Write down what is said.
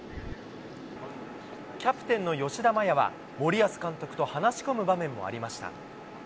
キャプテンの吉田麻也は、森保監督と話し込む場面もありました。